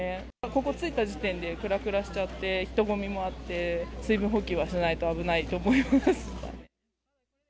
ここ着いた時点でくらくらしちゃって、人混みもあって、水分補給はしないと危ないと思います。